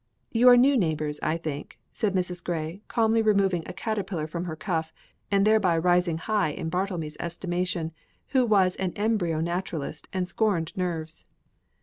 "You are new neighbors, I think," said Mrs. Grey, calmly removing a caterpillar from her cuff, and thereby rising high in Bartlemy's estimation, who was an embryo naturalist and scorned nerves.